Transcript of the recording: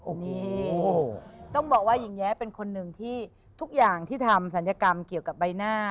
โอ้โหต้องบอกว่าหญิงแย้เป็นคนหนึ่งที่ทุกอย่างที่ทำศัลยกรรมเกี่ยวกับใบหน้า